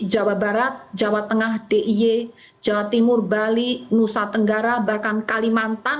jawa barat jawa tengah diy jawa timur bali nusa tenggara bahkan kalimantan